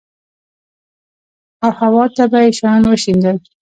او هوا ته به يې وشيندل.